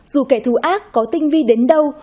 dù kẻ thù ác có tinh vi đến đâu